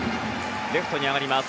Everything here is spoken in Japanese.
レフトに上がります。